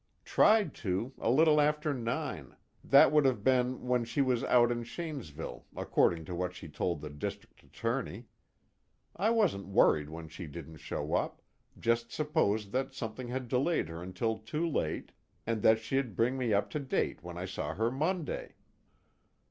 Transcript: "Tried to, a little after nine that would have been when she was out in Shanesville, according to what she told the District Attorney. I wasn't worried when she didn't show up, just supposed that something had delayed her until too late, and that she'd bring me up to date when I saw her Monday."